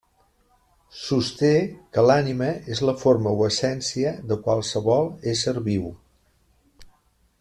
Sosté que l'ànima és la forma o essència de qualsevol ésser viu.